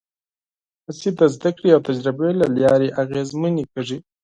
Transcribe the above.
هڅې د زدهکړې او تجربې له لارې اغېزمنې کېږي.